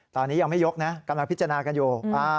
ตอนนี้ยังไม่ยกนะกำลังพิจารณากันอยู่